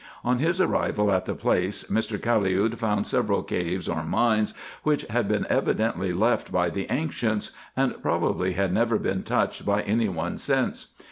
On his arrival at the place, Mr. Caliud found several caves or mines, which had been evidently left by the ancients, and probably had never been touched by any one since.